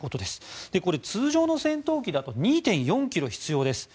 これ、通常の戦闘機だと２．４ｋｍ必要です。